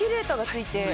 ついて。